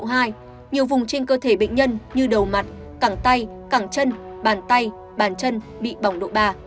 nhiều vùng trên cơ thể bệnh nhân như đầu mặt cẳng tay cẳng chân bàn tay bàn chân bị bỏng độ ba